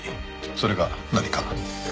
それが何か？